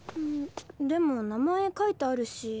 でも名前書いてあるし。